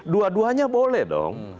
dua duanya boleh dong